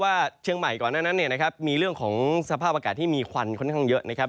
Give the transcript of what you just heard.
เชียงใหม่ก่อนหน้านั้นเนี่ยนะครับมีเรื่องของสภาพอากาศที่มีควันค่อนข้างเยอะนะครับ